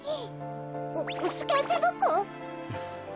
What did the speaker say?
スケッチブック。